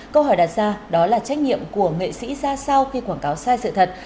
câu hỏi đặt ra đó là trách nhiệm của nghệ sĩ ra sau khi quảng cáo sai sự thật